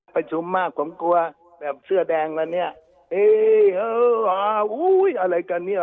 ประชุมมากผมกลัวแบบเสื้อแดงแล้วเนี่ยเอ๊เอออุ้ยอะไรกันเนี่ย